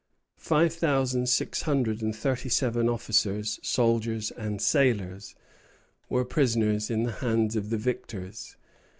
Five thousand six hundred and thirty seven officers, soldiers, and sailors were prisoners in the hands of the victors.